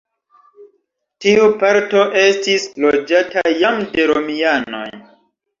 Tiu parto estis loĝata jam de romianoj.